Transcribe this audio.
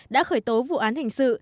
đã khởi tố vụ án hình sự